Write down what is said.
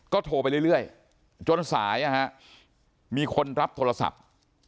โทรไปเรื่อยจนสายมีคนรับโทรศัพท์